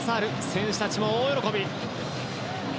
選手たちも大喜び。